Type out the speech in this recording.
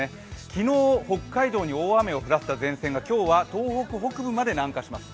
昨日、北海道に大雨を降らせた前線が今日は東北北部まで南下します。